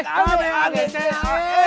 kami agen cae